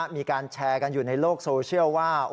มีการแชร์กันอยู่ในโลกโซเชียลว่า